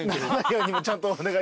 ちゃんとお願い。